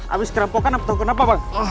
abis kerampokan atau kenapa bang